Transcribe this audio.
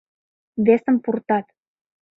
Весым пуртат.